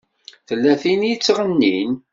Tella tin i yettɣennin.